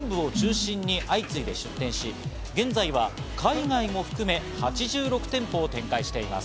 渋谷、池袋、新宿など都心部を中心に相次いで出店し、現在は海外も含め８６店舗を展開しています。